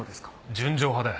『純情派』だよ！